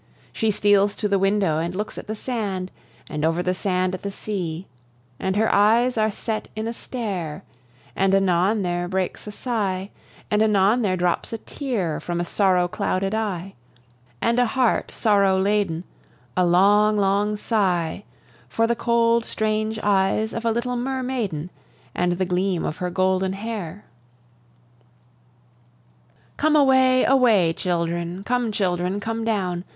She steals to the window, and looks at the sand, And over the sand at the sea; And her eyes are set in a stare; And anon there breaks a sigh, And anon there drops a tear, From a sorrow clouded eye, And a heart sorrow laden, A long, long sigh; For the cold strange eyes of a little Mermaiden, And the gleam of her golden hair. Come away, away, children; Come, children, come down!